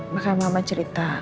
bahkan mama cerita